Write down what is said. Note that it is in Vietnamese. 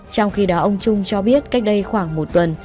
trong khi đó ông trung cho biết cách đây khoảng một tuần